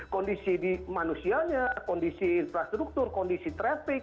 kondisi di manusianya kondisi infrastruktur kondisi traffic